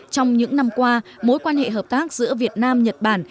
trong những năm qua mối quan hệ hợp tác giữa việt nam nhật bản